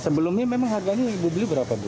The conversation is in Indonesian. sebelumnya memang harganya ibu beli berapa bu